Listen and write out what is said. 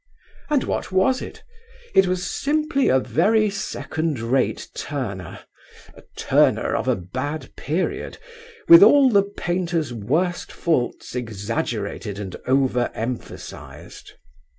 And what was it? It was simply a very second rate Turner, a Turner of a bad period, with all the painter's worst faults exaggerated and over emphasised.